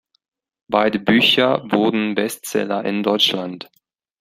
Beide Bücher wurden Bestseller in Deutschland.